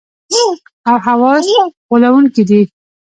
او حواس غولونکي دي.